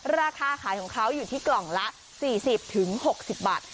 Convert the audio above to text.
ราคาขายของเขาอยู่ที่กล่องละ๔๐๖๐บาท